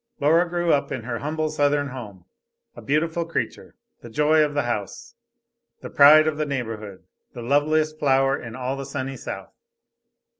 Laura grew up in her humble southern home, a beautiful creature, the joy of the house, the pride of the neighborhood, the loveliest flower in all the sunny south.